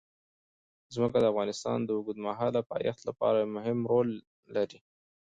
ځمکه د افغانستان د اوږدمهاله پایښت لپاره یو مهم رول لري.